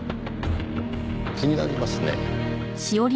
気になりますねぇ。